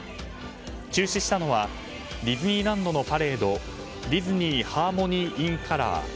中止したのはディズニーランドのパレードディズニー・ハーモニー・イン・カラー。